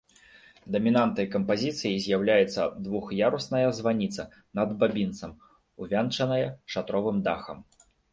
Дамінантай кампазіцыі з'яўляецца двух'ярусная званіца над бабінцам, увянчаная шатровым дахам.